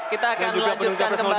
kita akan melanjutkan kembali